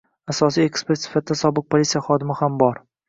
asosiy ekspert sifatida sobiq politsiya xodimi ham bor